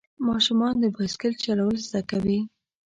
ماشومان د بایسکل چلول زده کوي.